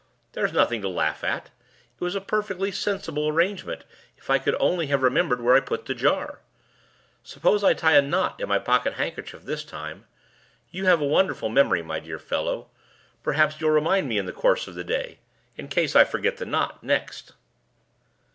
There's nothing to laugh at; it was a perfectly sensible arrangement, if I could only have remembered where I put the jar. Suppose I tie a knot in my pocket handkerchief this time? You have a wonderful memory, my dear fellow. Perhaps you'll remind me in the course of the day, in case I forget the knot next."